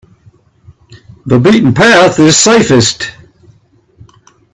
The beaten path is safest.